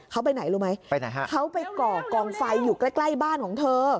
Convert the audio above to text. เขาไปไหนรู้ไหมไปไหนฮะเขาไปก่อกองไฟอยู่ใกล้ใกล้บ้านของเธอ